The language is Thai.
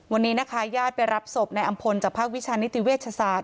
วันนี้นะคะญาติไปรับศพนายอำพลจากภาควิชานิติเวชศาสต